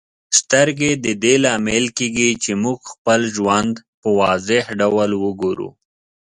سترګې د دې لامل کیږي چې موږ خپل ژوند په واضح ډول وګورو.